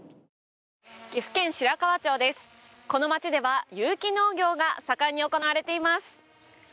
岐阜県白川町です、この町では有機農業が盛んに行われています。